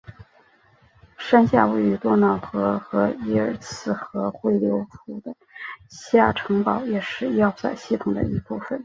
山下位于多瑙河和伊尔茨河汇流处的下城堡也是要塞系统的一部分。